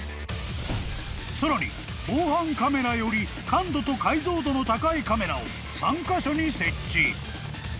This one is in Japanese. ［さらに防犯カメラより感度と解像度の高いカメラを３カ所に設置］